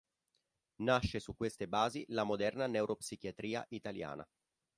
Nasce su queste basi la moderna neuropsichiatria italiana.